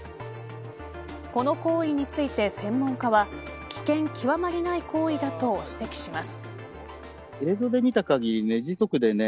この行為について専門家は危険極まりない行為だと指摘します。